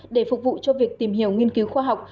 để phục vụ cho việc tìm hiểu nghiên cứu khoa học